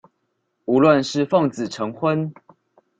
無論是奉子成婚